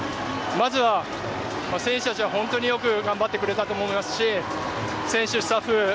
まずは選手たちは本当によく頑張ってくれたと思いますし選手、スタッフ